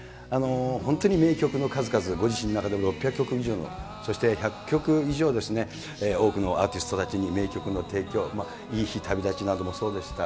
本当に名曲の数々、ご自身の中でも６００曲以上の、そして１００曲以上、多くのアーティストたちに名曲の提供、いい日旅立ちなどもそうでした。